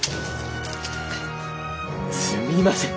すみません。